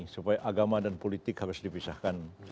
supaya agama dan politik harus dipisahkan